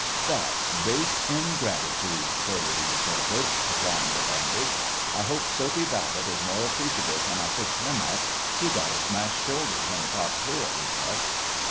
"That's base ingratitude!" Curly retorted, applying the bandage. "I hope Soapy Babbitt is more appreciative when I fix him up. He got a smashed shoulder when the top turret was wrecked."